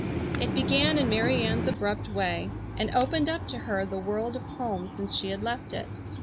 It began in Mary Ann's abrupt way, and opened up to her the world of home since she had left it.